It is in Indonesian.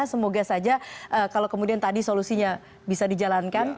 semoga saja kalau kemudian tadi solusinya bisa dijalankan